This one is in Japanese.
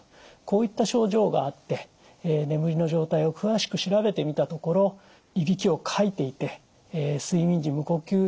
こういった症状があって眠りの状態を詳しく調べてみたところいびきをかいていて睡眠時無呼吸症候群というふうに呼ばれることが多いです